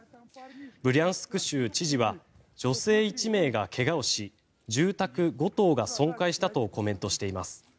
ブリャンスク州知事は女性１名がけがをし住宅５棟が損壊したとコメントしています。